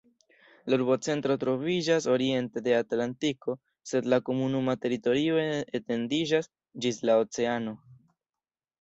La urbocentro troviĝas oriente de Atlantiko, sed la komunuma teritorio etendiĝas ĝis la oceano.